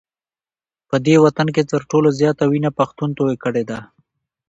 په دې وطن کي تر ټولو زیاته وینه پښتون توی کړې ده